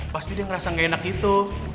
pasti dia ngerasa gak enak itu